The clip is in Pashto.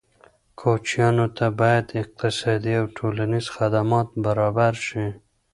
کوچیانو ته باید اقتصادي او ټولنیز خدمات برابر شي.